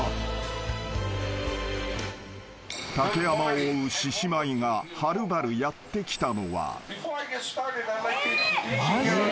［竹山を追う獅子舞がはるばるやって来たのは］